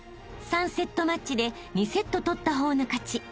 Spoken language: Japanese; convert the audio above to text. ［３セットマッチで２セット取った方の勝ち］